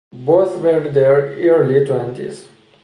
Both were in their early twenties.